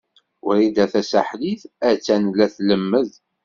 Wrida Tasaḥlit a-tt-an la tlemmed.